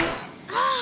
ああ。